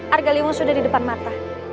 arga liwung sudah di depan mata